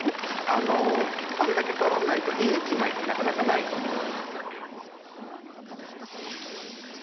あのあんだけ撮らないといい一枚ってなかなかないと思う。